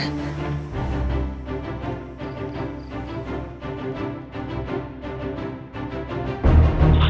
gak aktif ma